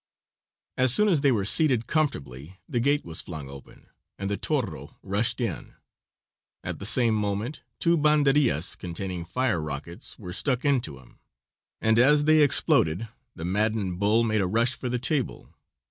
As soon as they were seated comfortably the gate was flung open, and the toro rushed in. At the same moment two banderillas containing fire rockets were stuck into him, and as they exploded the maddened bull made a rush for the table.